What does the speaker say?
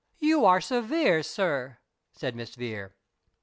"You are severe, sir," said Miss Vere.